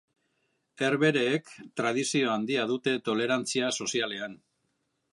Herbehereek tradizio handia dute tolerantzia sozialean.